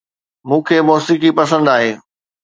مون کي موسيقي پسند آهي